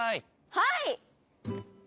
はい！